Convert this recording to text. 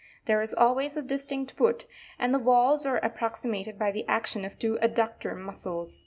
There is always a distinct foot, and the valves are approxi mated by the action of two adductor muscles.